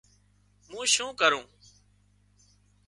مون شُون ڪرون